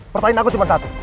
pertanyaan aku cuma satu